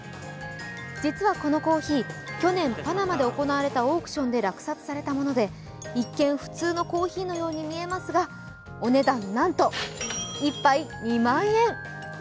実はこのコーヒー、去年パナマで行われたオークションで落札されたもので一見普通のコーヒーのように見えますが、お値段なんと１杯２万円！